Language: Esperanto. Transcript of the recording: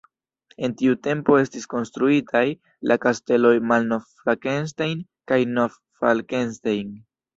En tiu tempo estis konstruitaj la kasteloj Malnov-Flakenstein kaj Nov-Falkenstein.